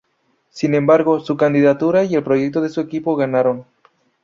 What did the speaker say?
Sin embargo, su candidatura y el proyecto de su equipo ganaron.